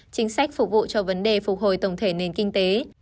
chính sách phục vụ cho vấn đề phục hồi tổng thể nền kinh tế